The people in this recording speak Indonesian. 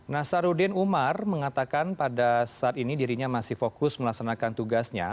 nasaruddin umar mengatakan pada saat ini dirinya masih fokus melaksanakan tugasnya